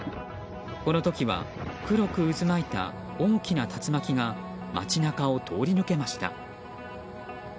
この時は黒く渦巻いた大きな竜巻が街中を通り抜けました。